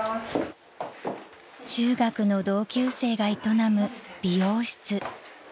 ［中学の同級生が営む美容室］